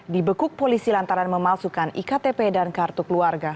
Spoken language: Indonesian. dibekuk polisi lantaran memalsukan iktp dan kartu keluarga